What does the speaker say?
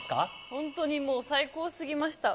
本当にもう最高すぎました。